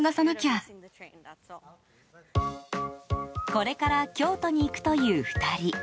これから京都に行くという２人。